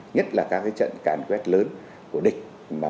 nhất là các trận càn quét lớn của địch